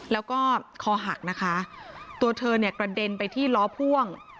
แล้วก็คอหักนะคะตัวเธอเนี่ยกระเด็นไปที่ล้อพ่วง